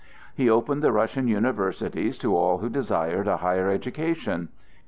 He opened the Russian universities to all who desired a higher education.